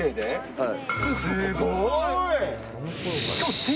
はい。